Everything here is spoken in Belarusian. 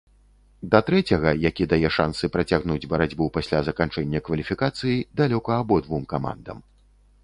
Да трэцяга, які дае шансы працягнуць барацьбу пасля заканчэння кваліфікацыі, далёка абодвум камандам.